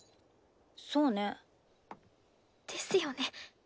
そうね。ですよね。